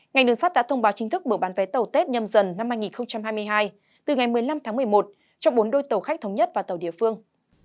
ngành đường sắt đã thông báo chính thức mở bán vé tàu tết nhâm dần năm hai nghìn hai mươi hai từ ngày một mươi năm tháng một mươi một cho bốn đôi tàu khách thống nhất và tàu địa phương